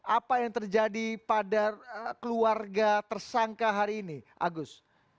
apa yang terjadi pada keluarga tersangka hari ini agus